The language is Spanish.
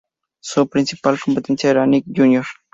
Su principal competencia era Nick Jr.